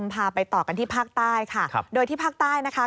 พาไปต่อกันที่ภาคใต้ค่ะโดยที่ภาคใต้นะคะ